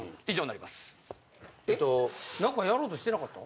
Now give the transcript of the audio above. えっ何かやろうとしてなかった？